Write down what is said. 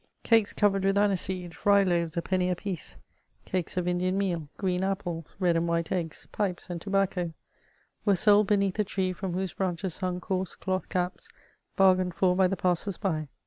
Cakes covered with aniseed, rje losres a peimy a piece, cakes of Indian meal, green tuples, red and white eggs, pipes and tobacco, were sold beneath a tree from whose branches hung coarse doth caps, bargained for by the passers by.